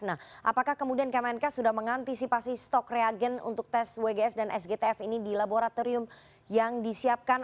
nah apakah kemudian kemenkes sudah mengantisipasi stok reagen untuk tes wgs dan sgtf ini di laboratorium yang disiapkan